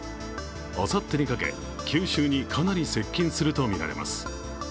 あさってにかけ、九州にかなり接近するとみられます。